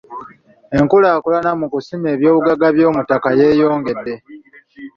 Enkulaakulana mu kusima ebyobugagga eby'omuttaka yeeyongedde.